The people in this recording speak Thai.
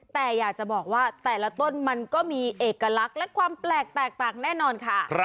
แต่อยากจะบอกว่าแต่ละต้นมันก็มีเอกลักษณ์และความแปลกแตกต่างแน่นอนค่ะ